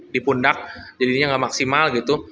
di pundak jadinya nggak maksimal gitu